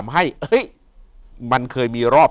อยู่ที่แม่ศรีวิรัยิลครับ